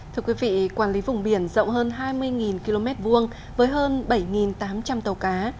thưa quý vị quản lý vùng biển rộng hơn hai mươi km vuông với hơn bảy tám trăm linh tàu cá